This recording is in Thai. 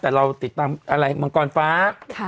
แต่เราติดตามอะไรมังกรฟ้า